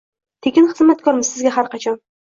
Tekin xizmatkormiz sizga har qachon.